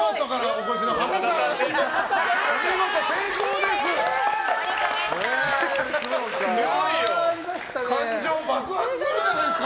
お見事、成功です。